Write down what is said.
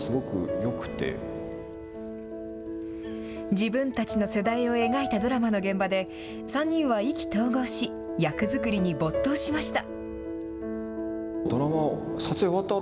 自分たちの世代を描いたドラマの現場で、３人は意気投合し、役作りに没頭しました。